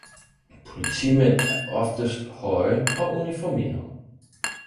Politimænd er oftest høje og uniformerede.